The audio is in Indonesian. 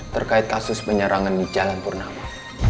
terkait kasus penyerangan di jalan purnama